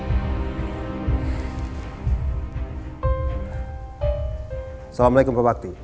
assalamualaikum pak bakti